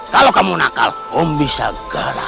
kalau kamu nakal om bisa gerak